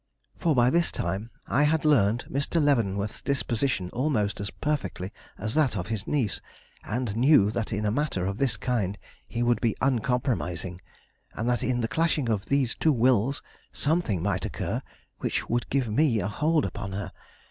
For by this time I had learned Mr. Leavenworth's disposition almost as perfectly as that of his niece, and knew that in a matter of this kind he would be uncompromising; and that in the clashing of these two wills something might occur which would give me a hold upon her.